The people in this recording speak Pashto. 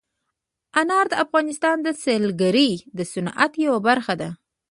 انار د افغانستان د سیلګرۍ د صنعت یوه برخه ده.